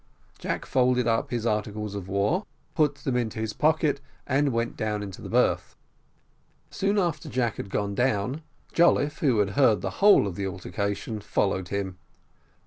Jack folded up his articles of war, put them into his pocket, and went down into the berth. Soon after Jack had gone down, Jolliffe, who had heard the whole of the altercation, followed him.